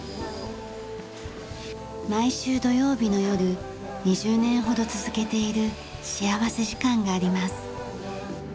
毎週土曜日の夜２０年ほど続けている幸福時間があります。